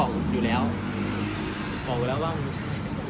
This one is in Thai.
กลัวหนีแฟนนะคะตอนนี้เป็นยังไงค่ะ